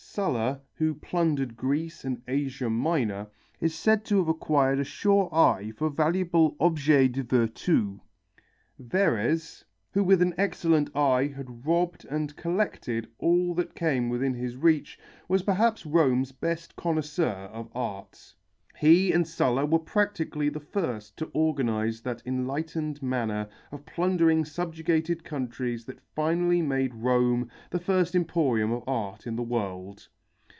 Sulla, who plundered Greece and Asia Minor, is said to have acquired a sure eye for valuable objets de virtu; Verres, who with an excellent eye had robbed and collected all that came within his reach, was perhaps Rome's best connoisseur of art. He and Sulla were practically the first to organize that enlightened manner of plundering subjugated countries that finally made Rome the first emporium of art in the world.